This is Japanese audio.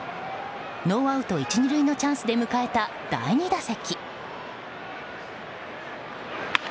ノーアウト１、２塁のチャンスで迎えた第２打席。